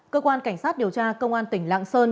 cơ quan cảnh sát điều tra công an tỉnh lạng sơn